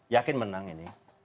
yakin menang ini